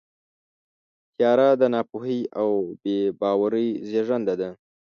تیاره د ناپوهۍ او بېباورۍ زېږنده ده.